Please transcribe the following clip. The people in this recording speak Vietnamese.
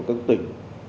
các đối tượng